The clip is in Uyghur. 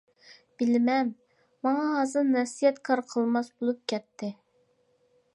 بىلىمەن، ماڭا ھازىر نەسىھەت كار قىلماس بولۇپ كەتتى.